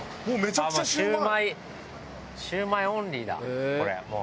シュウマイオンリーだこれもう。